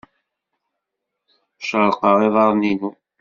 Cerrqeɣ iḍarren-inu.